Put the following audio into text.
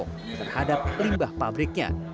terhadap limbah pabriknya